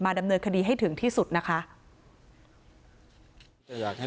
ดำเนินคดีให้ถึงที่สุดนะคะ